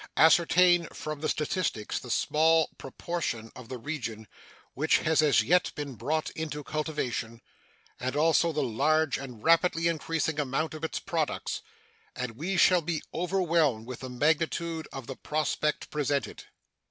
Ascertain from the statistics the small proportion of the region which has as yet been brought into cultivation, and also the large and rapidly increasing amount of its products, and we shall be overwhelmed with the magnitude of the prospect presented.